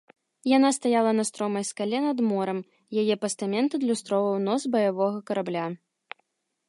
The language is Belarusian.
Яна стаяла на стромай скале над морам, яе пастамент адлюстроўваў нос баявога карабля.